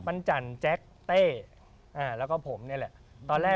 ปั้นจันแจ๊กเต้แล้วก็ผมนี่แหละ